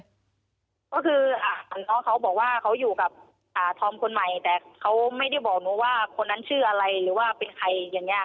ก็คือน้องเขาบอกว่าเขาอยู่กับธอมคนใหม่แต่เขาไม่ได้บอกหนูว่าคนนั้นชื่ออะไรหรือว่าเป็นใครอย่างนี้